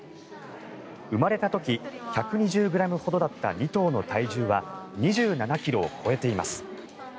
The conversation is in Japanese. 生まれた時、１２０ｇほどだった２頭の体重は２７ｋｇを超えています。